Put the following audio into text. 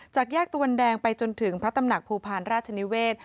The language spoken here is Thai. จากแยกตะวันแดงไปจนถึงพระตำหนักภูพาลราชนิเวศ